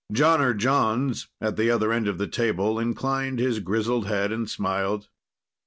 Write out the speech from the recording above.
Jonner Jons, at the other end of the table, inclined his grizzled head and smiled.